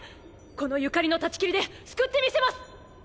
この所縁の断ち切りで救ってみせます！